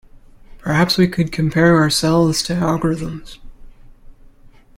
Perhaps we could compare our cells to algorithms.